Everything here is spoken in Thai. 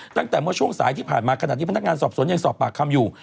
ตั้งแต่เมื่อช่วงสายที่ผ่านมาขณะที่พนักงานสอบสวนยังสอบปากคำอยู่